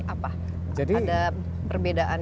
apa ada perbedaan